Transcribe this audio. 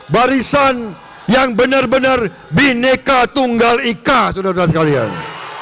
barisan yang benar benar bineka tunggal ika saudara saudara sekalian